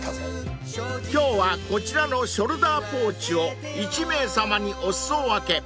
［今日はこちらのショルダーポーチを１名様にお裾分け］